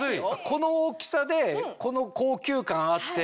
この大きさでこの高級感あって。